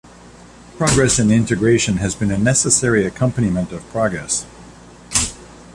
Progress in integration has been a necessary accompaniment of progress.